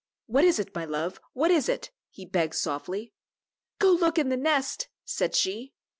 "What is it, my love; what is it?" he begged softly. "Go look in the nest," said she.